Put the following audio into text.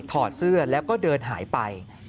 อดเสื้อแล้วก็เดินหายไป